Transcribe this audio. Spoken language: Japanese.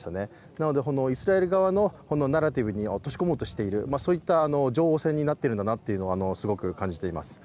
なのでイスラエル側のナラティブに落とし込もうとしている情報戦になっているんだなとすごく感じます。